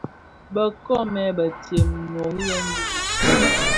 Bë nkoomèn bëntsem nnoriyèn bi mëku.